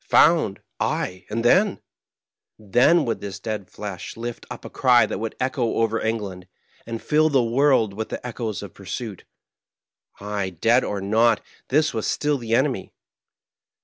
Found I ay, and then ? Then would this dead flesh lift up a cry that would echo over England, and fill the world with the echoes of pursuit. Ay, dead or not, this was still the enemy.